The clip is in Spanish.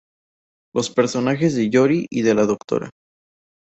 Los personajes de Yori y de la Dra.